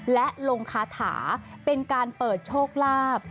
และลงคาถาเป็นการเปิดโชคลาภ